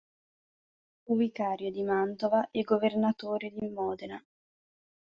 Fu vicario di Mantova e governatore di Modena.